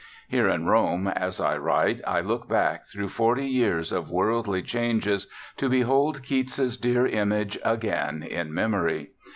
Here in Rome, as I write, I look back through forty years of worldly changes to behold Keats's dear image again in memory.